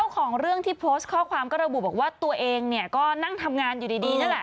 ของเรื่องที่โพสต์ข้อความก็ระบุบอกว่าตัวเองเนี่ยก็นั่งทำงานอยู่ดีนั่นแหละ